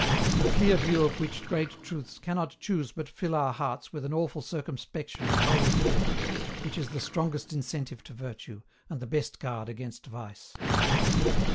A clear view of which great truths cannot choose but fill our hearts with an awful circumspection and holy fear, which is the strongest incentive to Virtue, and the best guard against Vice.